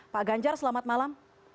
pak ganjar selamat malam